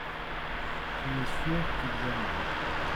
Tu es sûr qu’ils aimeront.